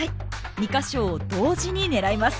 ２か所を同時に狙います。